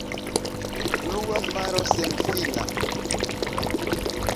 Blua maro senfina!